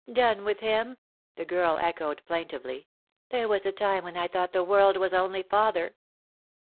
" Done with him !" the girl echoed plaintively. " There was a time when I thought the world was only father."